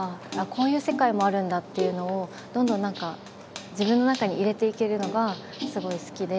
こういう世界もあるんだっていうのを、どんどん自分の中に入れていけるのがすごい好きで。